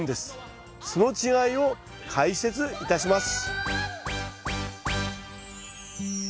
その違いを解説いたします。